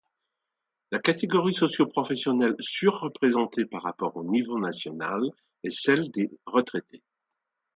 La catégorie socioprofessionnelle surreprésentées par rapport au niveau national est celle des retraités.